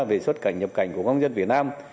về xuất cảnh nhập cảnh của công dân việt nam